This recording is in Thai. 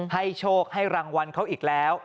โชคให้รางวัลเขาอีกแล้ว